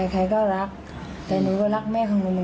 ฉันก็ไม่รู้